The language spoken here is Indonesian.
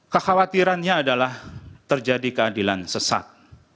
kekhawatirannya adalah terjadi keadilan sesat